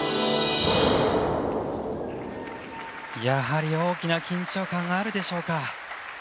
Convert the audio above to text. やはり大きな緊張感があるでしょうか。